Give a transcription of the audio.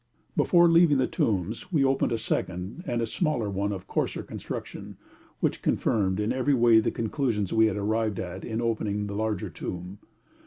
Before leaving the tombs we opened a second, and a smaller one of coarser construction, which confirmed in every way the conclusions we had arrived at in opening the larger tomb.